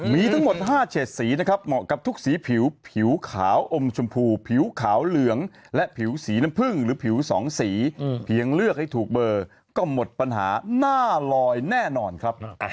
มีทั้งหมด๕เฉดสีนะครับเหมาะกับทุกสีผิวผิวขาวอมชมพูผิวขาวเหลืองและผิวสีน้ำผึ้งหรือผิว๒สีเพียงเลือกให้ถูกเบอร์ก็หมดปัญหาหน้าลอยแน่นอนครับ